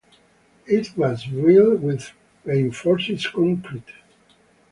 It was built with reinforced concrete.